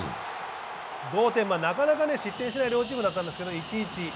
同点、なかなか失点しない両チームなんですけど、１−１。